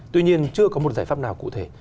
tuy nhiên chưa có một giải pháp nào cụ thể